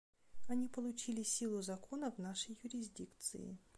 Они получили силу закона в нашей юрисдикции.